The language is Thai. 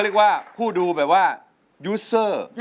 สวัสดีครับคุณผู้ชมทุกท่านที่กำลังรับชมไทยรัฐทีวีช่อง๓๒อยู่นะครับ